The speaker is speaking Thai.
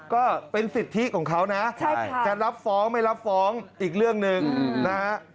ก็เป็นสิทธิของเขานะจะรับฟ้องไม่รับฟ้องอีกเรื่องหนึ่งนะฮะ